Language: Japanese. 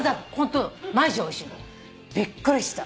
びっくりした。